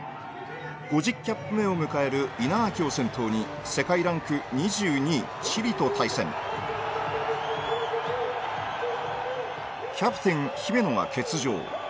５０キャップ目を迎える稲垣を先頭に世界ランク２２位チリと対戦キャプテン姫野が欠場。